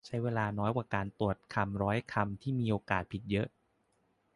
ใช้เวลาน้อยกว่าการตรวจคำร้อยคำที่มีโอกาสผิดเยอะ